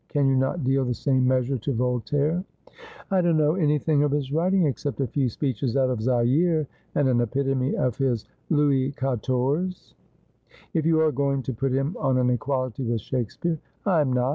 Can you not deal the same measure to Voltaire ?'' I don't know anything of his writing, except a few speeches out of " Zaire," and an epitome of his " Louis Qua torze." If you are going to put him on an equality with Shakespeare '' I am not.